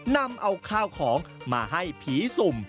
นำเอาข้าวของมาให้ผีสุ่ม